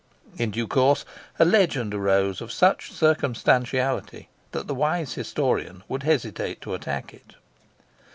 In due course a legend arose of such circumstantiality that the wise historian would hesitate to attack it.